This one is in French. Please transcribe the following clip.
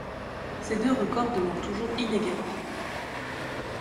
Ces deux records demeurent toujours inégalés.